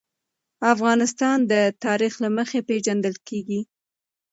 افغانستان د تاریخ له مخې پېژندل کېږي.